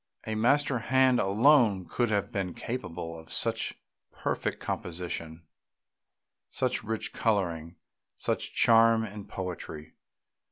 A master hand alone could have been capable of such perfect composition, such rich colouring, such charm and poetry.